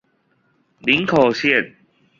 林口線